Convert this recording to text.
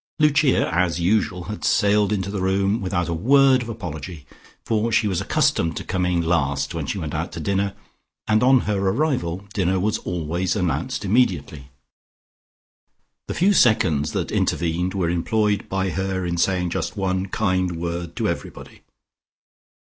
Lucia, as usual, had sailed into the room, without a word of apology, for she was accustomed to come last when she went out to dinner, and on her arrival dinner was always announced immediately. The few seconds that intervened were employed by her in saying just one kind word to everybody.